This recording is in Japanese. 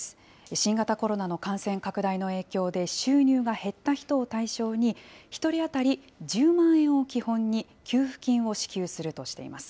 新型コロナの感染拡大の影響で収入が減った人を対象に、１人当たり１０万円を基本に、給付金を支給するとしています。